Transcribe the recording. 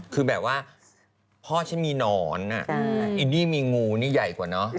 คือแบบว่าพ่อฉันมีหนอนไอ้นี่มีงูนี่ใหญ่กว่าเนอะ